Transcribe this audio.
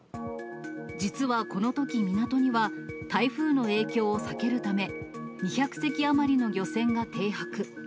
実はこのとき港には、台風の影響を避けるため、２００隻余りの漁船が停泊。